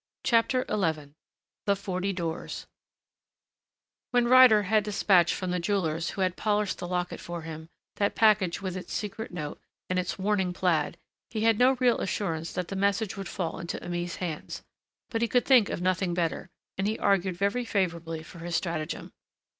CHAPTER XI THE FORTY DOORS When Ryder had despatched from the jeweler's who had polished the locket for him, that package with its secret note, and its warning plaid, he had no real assurance that the message would fall into Aimée's hands. But he could think of nothing better, and he argued very favorably for his stratagem.